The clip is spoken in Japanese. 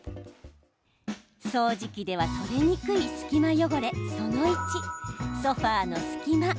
掃除機では取れにくい隙間汚れ、その１ソファーの隙間。